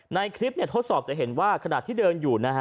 ในคลิปทดสอบจะเห็นว่าขณะที่เดินอยู่นะฮะ